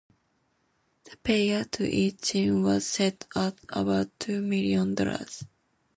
The payout to each team was set at about two million dollars.